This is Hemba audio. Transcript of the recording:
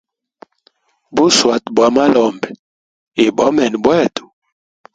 Bu shwata bwa malombi ibomene bwetu.